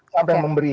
siapa yang memberi